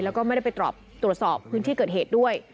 แล้วก็ไม่ได้ไปตรวจสอบพื้นที่เกิดเหตุด้วย